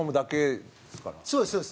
品川：そうです、そうです。